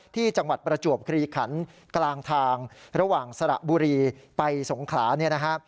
จังหวัดประจวบคลีขันกลางทางระหว่างสระบุรีไปสงขลาเนี่ยนะฮะ